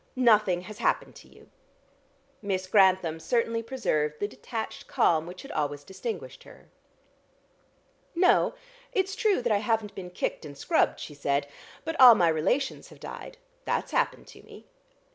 Nothing has happened to you." Miss Grantham certainly preserved the detached calm which had always distinguished her. "No, it's true that I haven't been kicked and scrubbed," she said. "But all my relations have died. That's happened to me."